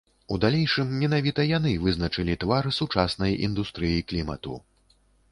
У далейшым менавіта яны вызначылі твар сучаснай індустрыі клімату.